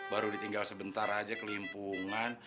baru ditinggal sebentar aja kelimpungan